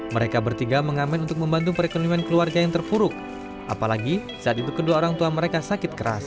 mereka bertiga mengamen untuk membantu perekonomian keluarga yang terpuruk apalagi saat itu kedua orang tua mereka sakit keras